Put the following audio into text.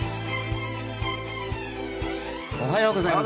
おはようございます。